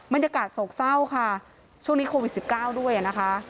บรรยากาศโศกเศร้าค่ะช่วงนี้โควิด๑๙ด้วยนะคะ